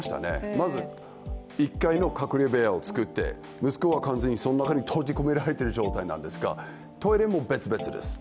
まず、１階の隔離部屋をつくって、息子は完全にその中に閉じ込められてる状態なんですがトイレも別々です。